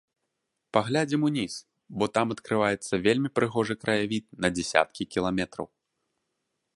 Паглядзім уніз, бо там адкрываецца вельмі прыгожы краявід на дзесяткі кіламетраў.